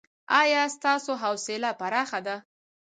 ایا ستاسو حوصله پراخه ده؟